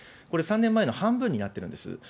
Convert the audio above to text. これ、３年前の半分になってるんです。